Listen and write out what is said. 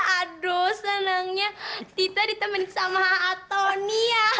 aduh senangnya tita ditemenin sama a'a tony ya